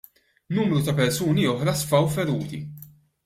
Numru ta' persuni oħra sfaw feruti.